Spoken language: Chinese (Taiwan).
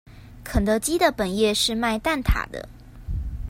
肯德基的本業是賣蛋塔的